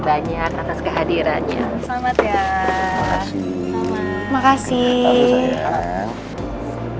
terima kasih sayang